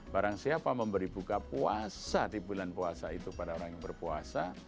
barang siapa memberi buka puasa di bulan puasa itu pada orang yang berpuasa